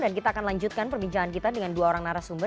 dan kita akan lanjutkan perbincangan kita dengan dua orang narasumber